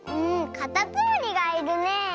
かたつむりがいるねえ！